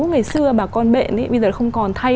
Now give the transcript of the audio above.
ngày xưa bà con bện bây giờ không còn thay